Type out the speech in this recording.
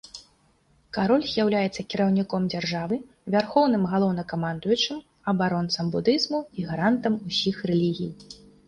Кароль з'яўляецца кіраўніком дзяржавы, вярхоўным галоўнакамандуючым, абаронцам будызму і гарантам усіх рэлігій.